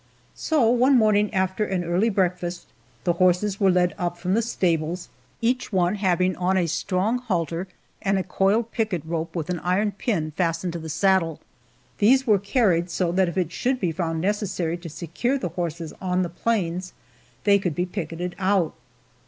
So, one morning after an early breakfast, the horses were led up from the stables, each one having on a strong halter, and a coiled picket rope with an iron pin fastened to the saddle. These were carried so that if it should be found necessary to secure the horses on the plains, they could be picketed out.